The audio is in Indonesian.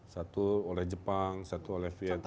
satu oleh jepang satu oleh vietnam